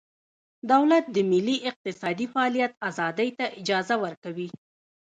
دولت د ملي اقتصادي فعالیت ازادۍ ته اجازه ورکوي